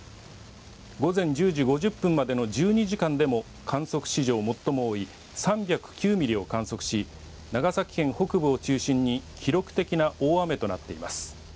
午前１０時５０分までの１２時間でも観測史上最も多い３０９ミリを観測し長崎県北部を中心に記録的な大雨となっています。